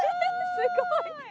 すごい！